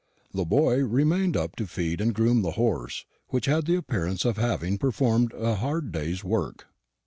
The boy remained up to feed and groom the horse, which had the appearance of having performed a hard day's work.